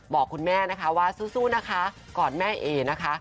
บอกคุณแม่นะคะว่าสู้นะคะกอดแม่เอนะคะ